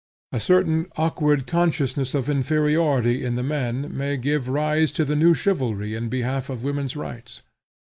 A certain awkward consciousness of inferiority in the men may give rise to the new chivalry in behalf of Woman's Rights.